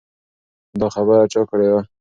دا خبره چا کړې وه؟